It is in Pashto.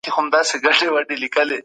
پر مځکي باندې د ونو ګلونه ډېر توی سوي وو.